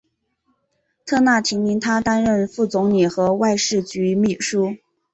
特纳提名他担任副总理和外事局秘书。